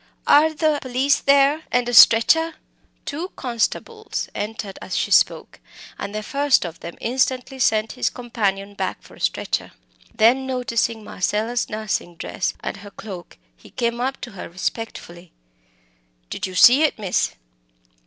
Are the police there and a stretcher?" Two constables entered as she spoke, and the first of them instantly sent his companion back for a stretcher. Then, noticing Marcella's nursing dress and cloak, he came up to her respectfully. "Did you see it, miss?"